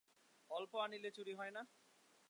অল্প আনিলে চুরি হয় না?